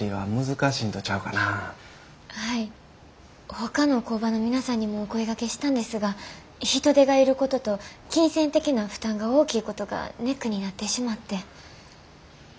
ほかの工場の皆さんにもお声がけしたんですが人手が要ることと金銭的な負担が大きいことがネックになってしまって。